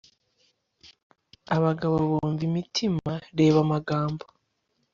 abagabo bumva imitima, reba amagambo